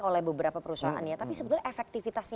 oleh beberapa perusahaan ya tapi sebetulnya efektivitasnya